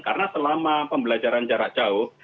karena selama pembelajaran jarak jauh